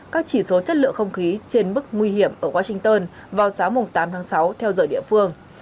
các chỉ số chất lượng không khí trên mức nguy hiểm ở washington vào sáng tám tháng sáu theo giờ địa phương